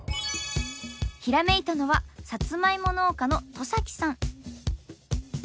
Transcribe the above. ひらめいたのはさつまいも農家の戸崎さん。